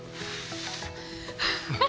ハハハ！